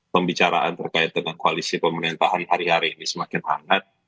pembicaraan terkait dengan koalisi pemerintahan hari hari ini semakin hangat